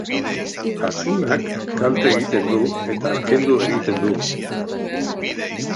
Asunak kalte egiten du, eta kendu egiten dugu.